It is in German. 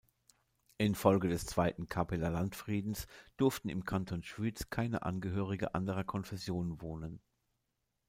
Infolge des zweiten Kappeler Landfriedens durften im Kanton Schwyz keine Angehörige anderer Konfession wohnen.